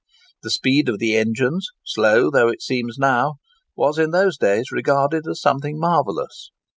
The speed of the engines—slow though it seems now—was in those days regarded as something marvellous.